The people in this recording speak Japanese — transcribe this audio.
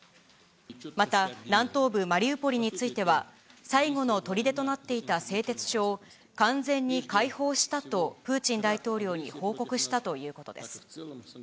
また、南東部マリウポリについては、最後のとりでとなっていた製鉄所を完全に解放したとプーチン大統領に報告したということです。